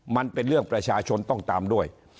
มันเป็นเรื่องประชาชนต้องตามด้วย